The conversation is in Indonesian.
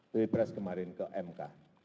dwi pres kemarin ke mk